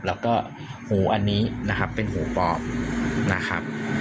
แล้วก็หูอันนี้นะครับเป็นหูปอบนะครับ